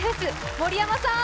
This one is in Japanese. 森山さん！